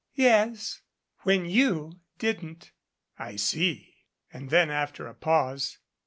"Yes, when you didn't." "I see." And then after a pause.